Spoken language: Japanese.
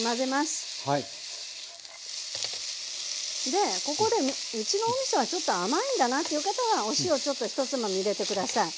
でここでうちのおみそはちょっと甘いんだなっていう方はお塩ちょっとひとつまみ入れて下さい。